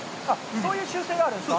そういう習性があるんですか。